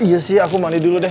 iya sih aku mandi dulu deh